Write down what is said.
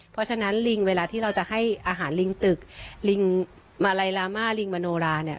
เพราะฉะนั้นลิงเวลาที่เราจะให้อาหารลิงตึกลิงมาลัยลาม่าลิงมโนราเนี่ย